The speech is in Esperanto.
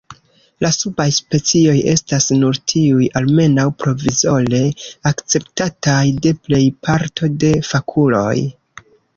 La subaj specioj estas nur tiuj almenaŭ provizore akceptataj de plej parto de fakuloj.